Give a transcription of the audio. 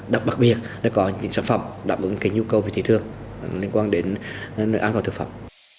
đặc biệt là có những sản phẩm đáp ứng cái nhu cầu về thị trường liên quan đến nội án và thực phẩm